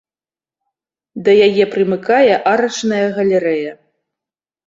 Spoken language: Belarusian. Да яе прымыкае арачная галерэя.